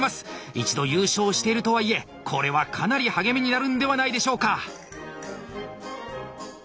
一度優勝しているとはいえこれはかなり励みになるんではないでしょうか。